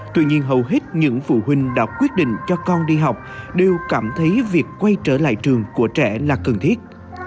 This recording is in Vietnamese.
tuy nhiên hầu hết những phụ huynh đã quyết định cho con đi học đều cảm thấy việc quay trở lại trường của trẻ là cần thiết